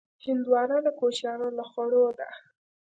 هندوانه د کوچیانو له خوړو ده.